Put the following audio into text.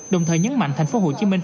đồng thời nhấn mạnh thành phố hồ chí minh